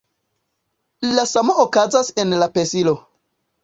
La samo okazas en la pesilo.